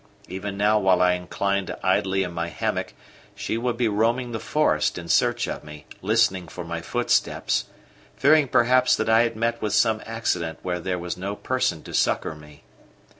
Even now while I inclined idly in my hammock, she would be roaming the forest in search of me, listening for my footsteps, fearing perhaps that I had met with some accident where there was no person to succour me.